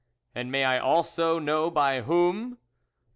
" And may I also know by whom